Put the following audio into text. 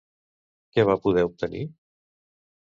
Què va poder obtenir?